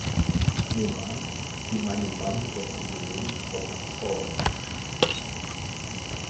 Ich nehme an, Sie meinen damit das Unternehmen von Herrn Forrest.